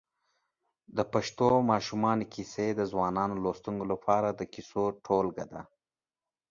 د پښتو ماشومانو کیسې د ځوانو لوستونکو لپاره د کیسو ټولګه ده.